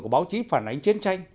của báo chí phản ánh chiến tranh